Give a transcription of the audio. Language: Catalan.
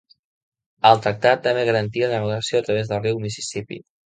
El tractat també garantí la navegació a través del riu Mississipí.